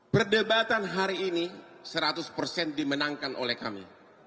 perdebatan hari ini seratus persen dimenangkan oleh kami